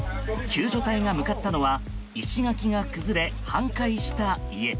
救助隊が向かったのは石垣が崩れ半壊した家。